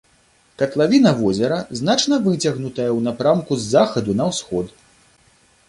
Катлавіна возера значна выцягнутая ў напрамку з захаду на ўсход.